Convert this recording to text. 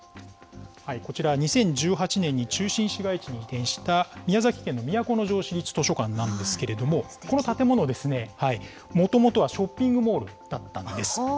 こちら、２０１８年に中心市街地に移転した、宮崎県の都城市立図書館なんですけれども、この建物ですね、もともとはショッピングモールだったんです。